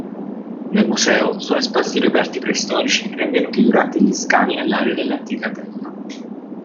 Nel museo sono esposti reperti preistorici rinvenuti durante gli scavi nell’area dell'antica Atella.